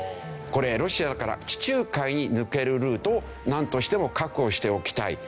これロシアから地中海に抜けるルートをなんとしても確保しておきたい。